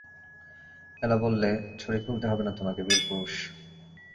এলা বললে, ছুরি খুলতে হবে না তোমাকে, বীরপুরুষ।